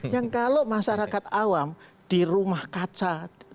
yang kalau masyarakat awam di rumah kaca